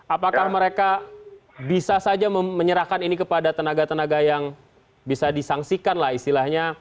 apakah mereka bisa saja menyerahkan ini kepada tenaga tenaga yang bisa disangsikan lah istilahnya